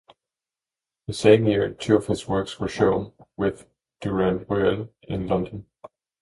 That same year, two of his works were shown with Durand-Ruel in London.